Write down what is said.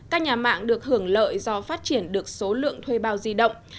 các nhà mạng được hưởng lợi do phát triển được số lượng thuê bao di động